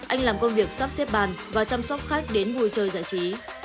anh làm công việc sắp xếp bàn và chăm sóc khách đến vui chơi giải trí